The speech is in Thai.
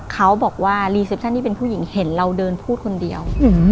เขาบอกว่ารีเซปชั่นที่เป็นผู้หญิงเห็นเราเดินพูดคนเดียว